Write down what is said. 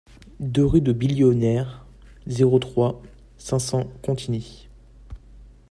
deux rue de Billonnière, zéro trois, cinq cents Contigny